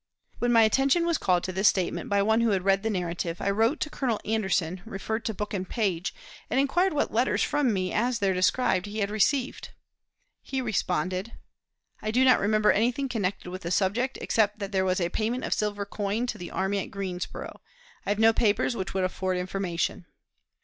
When my attention was called to this statement by one who had read the "Narrative," I wrote to Colonel Anderson, referred to book and page, and inquired what letters from me as there described he had received. He responded: "I do not remember anything connected with the subject, except that there was a payment of silver coin to the army at Greensboro, and I have no papers which would afford information."